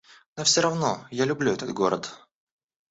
Но все равно, я люблю этот город.